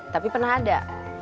tapi pernah ada